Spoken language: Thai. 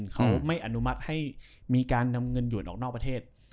เขาไม่อนุมัติให้มีการนำเงินหยวนออกนอกประเทศ